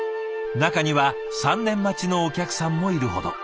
中には３年待ちのお客さんもいるほど。